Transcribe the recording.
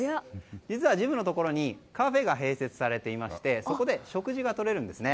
実はジムのところにカフェが併設されていましてそこで食事がとれるんですね。